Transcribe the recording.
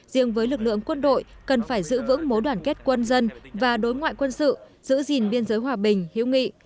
riêng với lực lượng quân đội cần phải giữ vững mối đoàn kết quân dân và đối ngoại quân sự giữ gìn biên giới hòa bình hiếu nghị